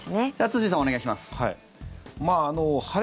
堤さん、お願いします。